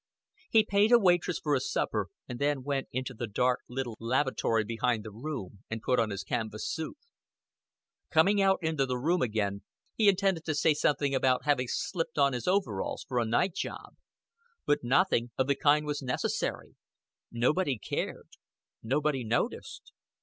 He paid a waitress for his supper, and then went into the dark little lavatory behind the room and put on his canvas suit. Coming out into the room again, he intended to say something about having slipped on his overalls for a night job; but nothing of the kind was necessary. Nobody cared, nobody noticed.